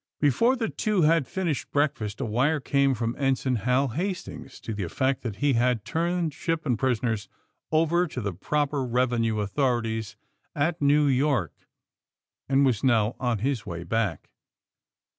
Before the two had finished breakfast a wire came from Ensign Hal Hastings to the effect that he had turned ship and prisoners over to the proper revenue authorities at New York and was now on his way back.